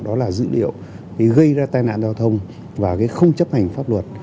đó là dữ liệu gây ra tai nạn giao thông và cái không chấp hành pháp luật